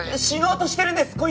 死のうとしてるんです！